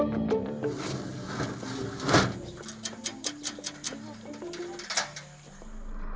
masing masing pemberangkatan terakhir kemudian dimasukkan ke kandang khusus yang telah terdapat dedaunan dan buah buahan di dalamnya